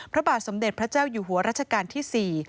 พระบาทสมเด็จพระเจ้าอยู่หัวรัชกาลที่๔